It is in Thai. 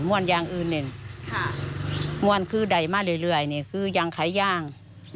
มันยังอื่นเนี่ยมันคือได้มาเรื่อยคือยังไค่ย่าง